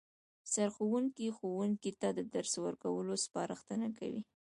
سرښوونکی ښوونکو ته د درس ورکولو سپارښتنه کوي